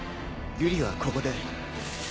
瑠璃はここで。